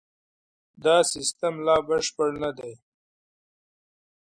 دا سیستم لا بشپړ نه دی.